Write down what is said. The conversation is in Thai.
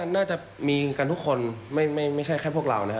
น่าจะมีกันทุกคนไม่ใช่แค่พวกเรานะครับ